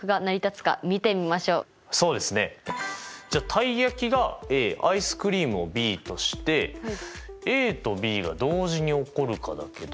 たい焼きがＡアイスクリームをＢとしてＡとＢが同時に起こるかだけど。